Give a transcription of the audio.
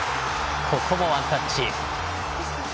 そこもワンタッチ。